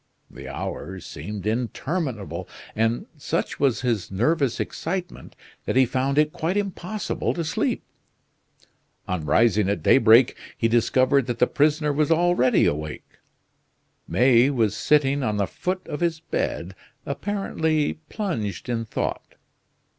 The hours seemed interminable, and such was his nervous excitement that he found it quite impossible to sleep. On rising at daybreak he discovered that the prisoner was already awake. May was sitting on the foot of his bed, apparently plunged in thought.